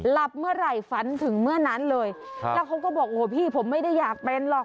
หลับเมื่อไหร่ฝันถึงเมื่อนั้นเลยแล้วเขาก็บอกโอ้โหพี่ผมไม่ได้อยากเป็นหรอก